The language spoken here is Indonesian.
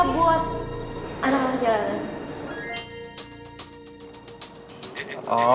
buat anak anak jalanan